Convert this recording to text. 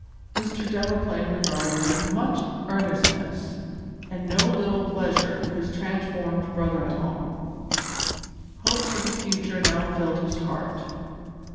Mr. Delaplaine regarded with much earnestness and no little pleasure his transformed brother in law. Hope for the future now filled his heart.